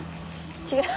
違う。